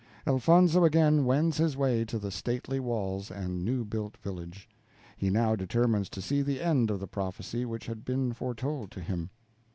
Elfonzo again wends his way to the stately walls and new built village. He now determines to see the end of the prophesy which had been foretold to him.